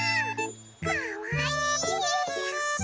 かわいい！